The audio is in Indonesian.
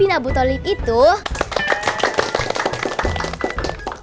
ini dari keseringan